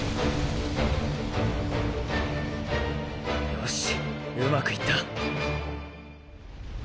よしうまくいった！